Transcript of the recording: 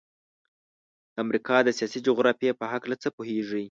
د امریکا د سیاسي جغرافیې په هلکه څه پوهیږئ؟